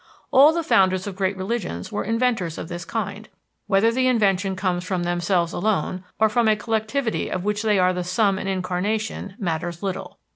All the founders of great religions were inventors of this kind. Whether the invention comes from themselves alone, or from a collectivity of which they are the sum and incarnation, matters little.